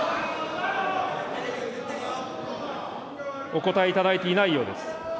お答えいただいていないようです。